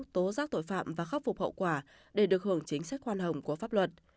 tố rác tội phạm và khắc phục hậu quả để được hưởng chính sách hoan hồng của pháp luật